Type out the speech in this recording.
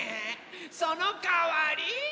そのかわり。